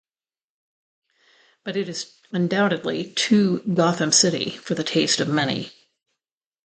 But it is undoubtedly too Gotham City for the taste of many.